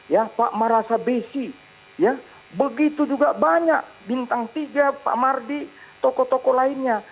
ya pak marasa besi begitu juga banyak bintang tiga pak mardi tokoh tokoh lainnya